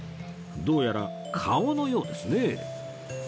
どうやら顔のようですね